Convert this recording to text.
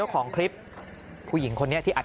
ขอบคุณครับ